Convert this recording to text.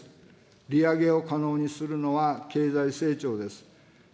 利上げを可能にするのは経済成長です。